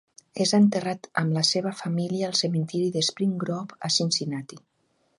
És enterrat amb la seva família al cementiri de Spring Grove a Cincinnati.